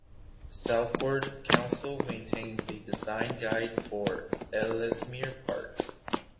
Salford Council maintains a design guide for Ellesmere Park.